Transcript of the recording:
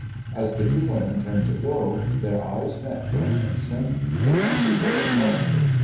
As the two women turned to go, their eyes met for an instant: the country girl blushed.